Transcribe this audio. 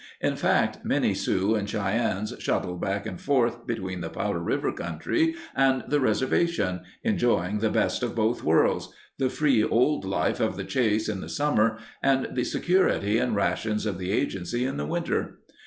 In fact, many Sioux and Cheyennes shuttled back and forth between the Powder River country and the reservation, enjoying the best of both worlds— the old free life of the chase in the summer and the security and rations of the agency in the winter.